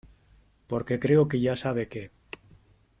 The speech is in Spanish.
porque creo que ya sabe que